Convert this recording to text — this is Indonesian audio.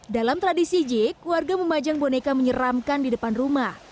dalam tradisi jik warga memajang boneka menyeramkan di depan rumah